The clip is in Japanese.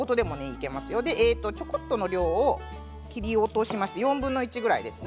ちょこっとの量を切り落としまして４分の１ぐらいですね。